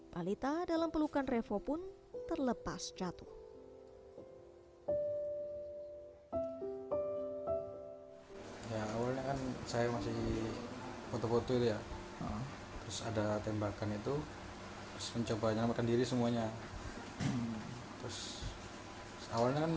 balita dalam pelukan revo pun terlepas jatuh